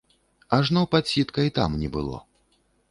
Ажно падсітка й там не было.